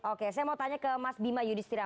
oke saya mau tanya ke mas bima yudhistira